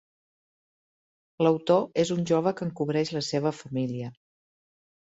L'autor és un jove que encobreix la seva família.